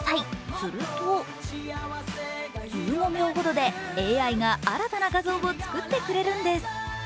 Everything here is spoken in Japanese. すると１５秒ほどでＡＩが新たな画像を作ってくれるんです。